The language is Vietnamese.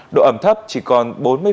độ ẩm thấp chỉ còn bốn mươi